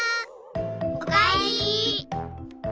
おかえり。